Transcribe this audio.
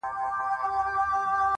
• كوم ولات كي يې درمل ورته ليكلي,